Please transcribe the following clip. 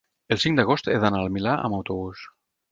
el cinc d'agost he d'anar al Milà amb autobús.